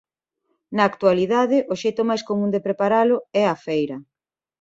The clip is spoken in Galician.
Na actualidade o xeito máis común de preparalo é á feira.